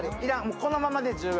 このままで十分。